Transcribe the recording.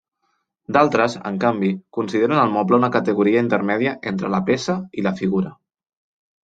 D'altres, en canvi, consideren el moble una categoria intermèdia entre la peça i la figura.